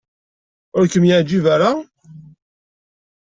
Ur kem-yeɛjib ara?